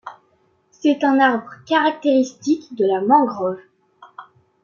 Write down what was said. C'est un arbre caractéristique de la mangrove.